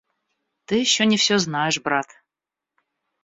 Ты еще не все знаешь, брат.